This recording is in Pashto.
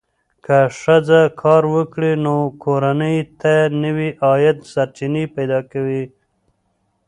که ښځه کار وکړي، نو کورنۍ ته نوې عاید سرچینې پیدا کوي.